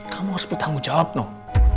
kamu harus bertanggung jawab noh